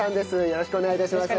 よろしくお願いします。